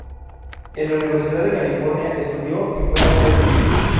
En la Universidad de California estudió y fue atleta.